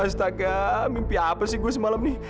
pustaka mimpi apa sih gue semalam nih